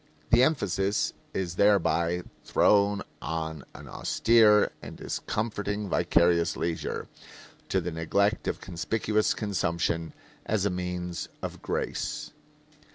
The emphasis is thereby thrown on an austere and discomforting vicarious leisure, to the neglect of conspicuous consumption as a means of grace.